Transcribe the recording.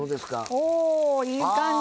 おおいい感じ。